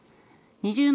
２０万